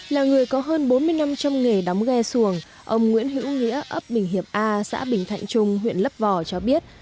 là người có hơn bốn mươi năm trong nghề đóng ghe xuồng ông nguyễn hữu nghĩa ấp bình hiệp a xã bình thạnh trung huyện lấp vò cho biết